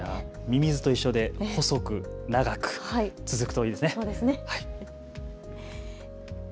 ミミズと一緒で細く長く、続くといいですね。